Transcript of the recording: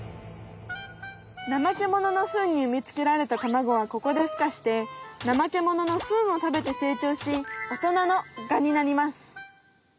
ナマケモノのフンにうみつけられたタマゴはここでふかしてナマケモノのフンをたべて成長し大人のガになります。